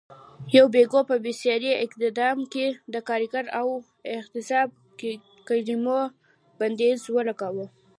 یوبیکو په بېساري اقدام کې د کارګر او اعتصاب کلیمو بندیز ولګاوه.